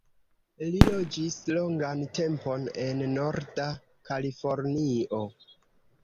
Li loĝis longan tempon en norda Kalifornio.